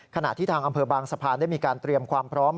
ขณะที่ทางอำเภอบางสะพานได้มีการเตรียมความพร้อม